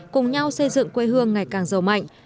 cùng nhau xây dựng quê hương ngày càng giàu mạnh